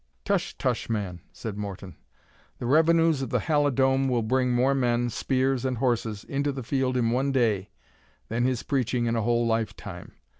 "Tush! tush! man," said Morton, "the revenues of the Halidome will bring more men, spears, and horses, into the field in one day, than his preaching in a whole lifetime.